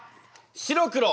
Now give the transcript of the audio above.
白黒。